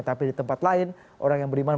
tapi di tempat lain orang yang beriman